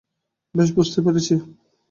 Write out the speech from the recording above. বেশ, বুঝতে পেরেছি।